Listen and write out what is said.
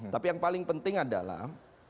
tapi yang paling penting adalah